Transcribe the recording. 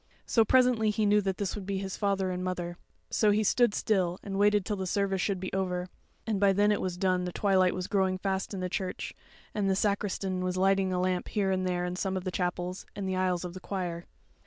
So presently he knew that this would be his father and mother; so he stood still and waited till the service should be over; and by then it was done the twilight was growing fast in the church, and the sacristan was lighting a lamp here and there in some of the chapels, and the aisles of the choir.